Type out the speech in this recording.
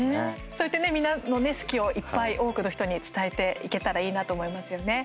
そうやってみんなの好きをいっぱい多くの人に伝えていけたらいいなと思いますよね。